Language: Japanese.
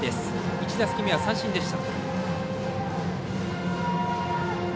１打席目は三振でした。